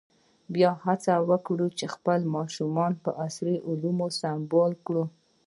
باید هڅه وکړو چې خپل ماشومان په عصري علومو سمبال کړو.